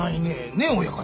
ねえ親方？